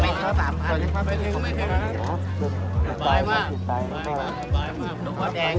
พี่พ่อกลับไปชะเทศนะพี่พ่อกลับไปชะเทศนะ